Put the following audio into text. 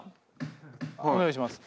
お願いします。